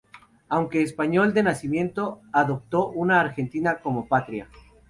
Aunque español de nacimiento, adoptó a Argentina como patria.